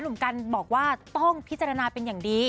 หนุ่มกันบอกว่าต้องพิจารณาเป็นอย่างดี